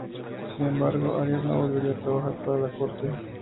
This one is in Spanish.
Sin embargo, Arias no volvería a trabajar para la Corte.